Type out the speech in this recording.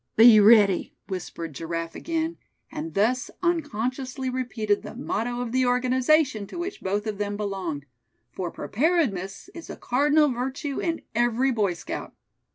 "Be ready!" whispered Giraffe again, and thus unconsciously repeating the motto of the organization to which both of them belonged, for preparedness is the cardinal virtue in every Boy Scout.